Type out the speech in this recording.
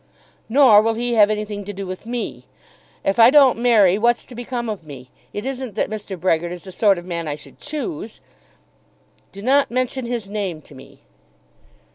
"Nor will he have anything to do with me. If I don't marry what's to become of me? It isn't that Mr. Brehgert is the sort of man I should choose." "Do not mention his name to me."